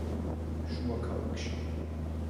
შუა ქალაქში